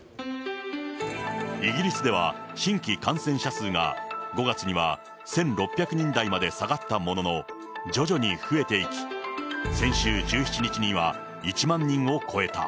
イギリスでは新規感染者数が５月には１６００人台まで下がったものの、徐々に増えていき、先週１７日には、１万人を超えた。